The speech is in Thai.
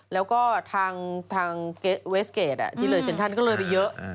แล้วก็ทางเวสเกจที่เลยเซ็นทันก็เลยไปเยอะ